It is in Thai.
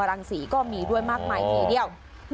อุ้ย